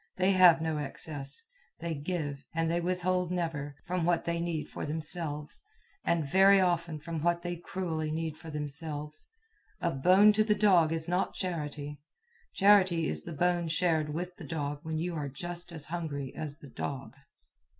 They have no excess. They give, and they withhold never, from what they need for themselves, and very often from what they cruelly need for themselves. A bone to the dog is not charity. Charity is the bone shared with the dog when you are just as hungry as the dog.